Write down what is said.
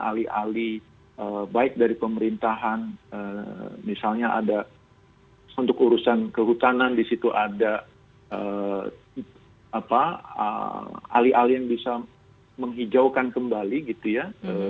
alih alih baik dari pemerintahan misalnya ada untuk urusan kehutanan di situ ada alih alih yang bisa menghijaukan kembali gitu ya